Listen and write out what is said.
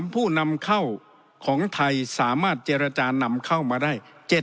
ผู้นำเข้าของไทยสามารถเจรจานำเข้ามาได้